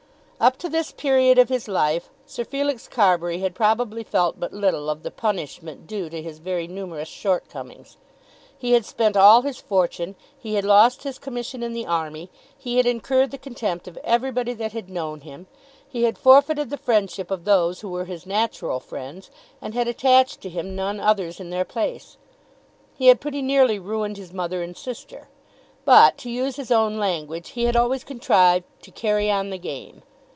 Up to this period of his life Sir Felix Carbury had probably felt but little of the punishment due to his very numerous shortcomings. He had spent all his fortune; he had lost his commission in the army; he had incurred the contempt of everybody that had known him; he had forfeited the friendship of those who were his natural friends, and had attached to him none others in their place; he had pretty nearly ruined his mother and sister; but, to use his own language, he had always contrived "to carry on the game."